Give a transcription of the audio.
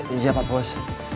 iya pak pos